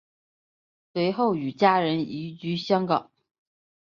随后与家人移居香港。